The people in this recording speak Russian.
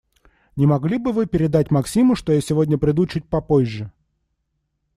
Не могли бы Вы передать Максиму, что я сегодня приду чуть попозже?